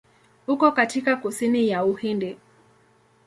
Uko katika kusini ya Uhindi.